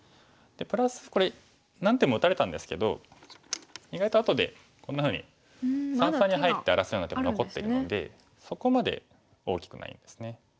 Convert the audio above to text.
プラスこれ何手も打たれたんですけど意外とあとでこんなふうに三々に入って荒らすような手も残ってるのでそこまで大きくないんですね。